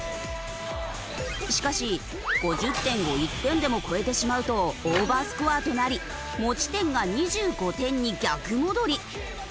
しかし５０点を１点でも超えてしまうとオーバースコアとなり持ち点が２５点に逆戻り。